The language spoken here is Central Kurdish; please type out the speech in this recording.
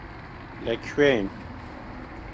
لەکوێین؟